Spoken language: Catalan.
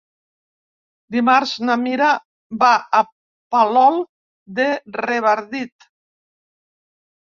Dimarts na Mira va a Palol de Revardit.